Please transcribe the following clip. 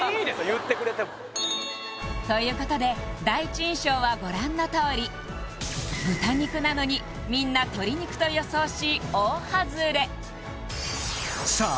言ってくれてもということで第一印象はご覧のとおり豚肉なのにみんな鶏肉と予想し大ハズレさあ